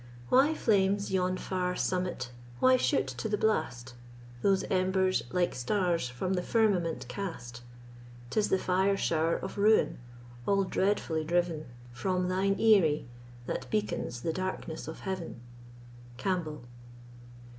Why flames yon far summit—why shoot to the blast Those embers, like stars from the firmament cast? 'Tis the fire shower of ruin, all dreadfully driven From thine eyrie, that beacons the darkness of Heaven. CAMPBELL.